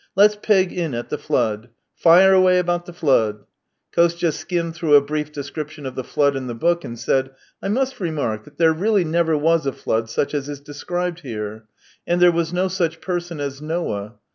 Let's peg in at the Flood. Fire away about the Flood." Kostya skimmed through a brief description of the Flood in the book, and said: " I must remark that there really never was a flood such as is described here. And there was no such person as Noah.